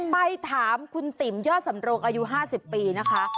ไปถามคุณติ๋มยอดสำรงอายุ๕๐ปีนะคะ